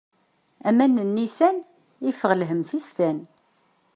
Aman n nnisan, yeffeɣ lhemm tistan.